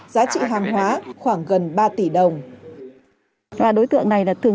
giá trị hàng hóa khoảng gần ba tỷ đồng